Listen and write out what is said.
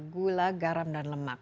gula garam dan lemak